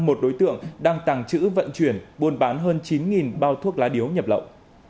một đối tượng đang tàng trữ vận chuyển buôn bán hơn chín bao thuốc lá điếu nhập lậu